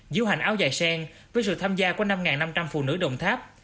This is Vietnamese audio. diễu hành áo dài sen với sự tham gia của năm năm trăm linh phụ nữ đồng tháp